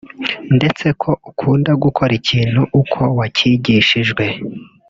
ndetse ko ukunda gukora ikintu uko wacyigishijwe